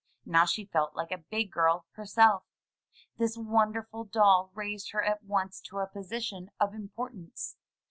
Now she felt like a big girl herself. This wonderful doll raised her at once to a position of importance.